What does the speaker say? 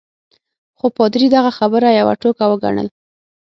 خو پادري دغه خبره یوه ټوکه وګڼل.